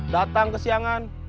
datang ke siangan